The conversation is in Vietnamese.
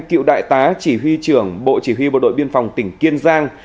cựu đại tá chỉ huy trưởng bộ chỉ huy bộ đội biên phòng tỉnh kiên giang